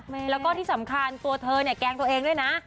แล้วก็ที่สำคัญตัวเธอเนี่ยแกล้งตัวเองด้วยนะ